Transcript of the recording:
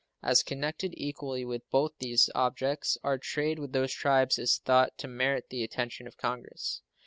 As connected equally with both these objects, our trade with those tribes is thought to merit the attention of Congress.